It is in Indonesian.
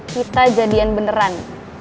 kita jadian beneran